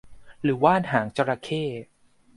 หรือว่านหางจระเข้